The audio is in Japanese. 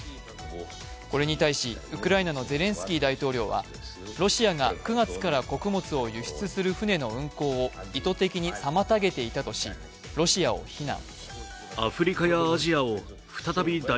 これに対しウクライナのゼレンスキー大統領は、ロシアが９月から穀物を輸出する船の運航を意図的に妨げていたとしてロシアを非難。